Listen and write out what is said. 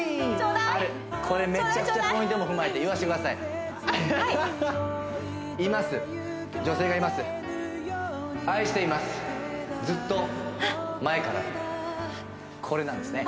これめちゃくちゃポイントも踏まえて言わせてくださいいます女性がいますこれなんですね